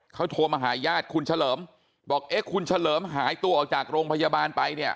เขาโทรมาหาญาติคุณเฉลิมบอกเอ๊ะคุณเฉลิมหายตัวออกจากโรงพยาบาลไปเนี่ย